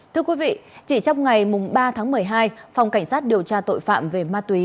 thưa quý vị chỉ trong ngày ba tháng một mươi hai phòng cảnh sát điều tra tội phạm về ma túy